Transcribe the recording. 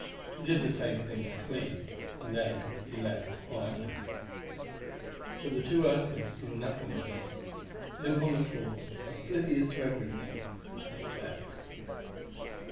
He did the same thing to Clee, and then he quietly left. But the two Earthlings knew nothing of this. Limp on the floor, oblivious to everything, they slept....